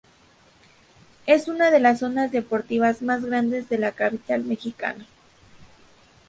Es una de las zonas deportivas más grandes de la capital mexicana.